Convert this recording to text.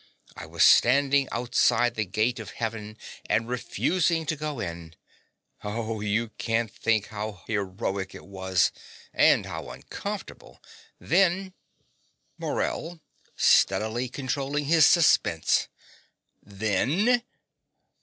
I was standing outside the gate of Heaven, and refusing to go in. Oh, you can't think how heroic it was, and how uncomfortable! Then MORELL (steadily controlling his suspense). Then?